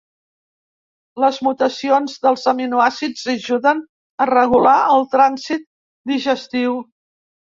Les mutacions dels aminoàcids ajuden a regular el trànsit digestiu.